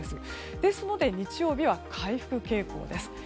ですので日曜日は回復傾向です。